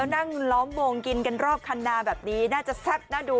นั่งล้อมวงกินกันรอบคันนาแบบนี้น่าจะแซ่บน่าดู